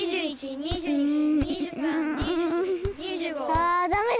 あダメだ。